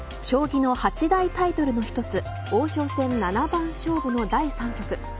将棋の八大タイトルの一つ王将戦七番勝負の第３局